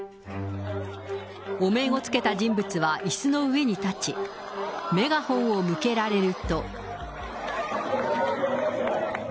お面をつけた人物はいすの上に立ち、メガホンを向けられると。